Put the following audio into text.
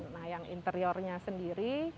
nah yang interiornya sendiri